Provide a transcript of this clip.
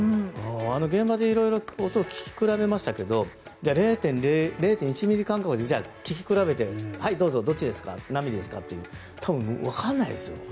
現場で色々、音を聞き比べましたけど０．１ｍｍ間隔で聞き比べてはい、どうぞどっちですか、何ミリですかって多分、わからないですよ。